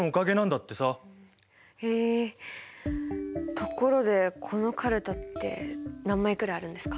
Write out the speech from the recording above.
ところでこのかるたって何枚くらいあるんですか？